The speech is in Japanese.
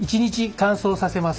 乾燥させます。